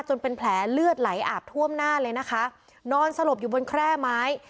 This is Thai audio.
เป็นแผลเลือดไหลอาบท่วมหน้าเลยนะคะนอนสลบอยู่บนแคร่ไม้